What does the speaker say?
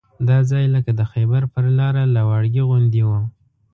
دا ځای لکه د خیبر پر لاره لواړګي غوندې وو.